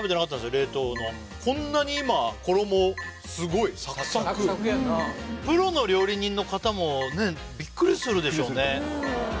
冷凍のこんなに今衣すごいサクサクプロの料理人の方もビックリするでしょうね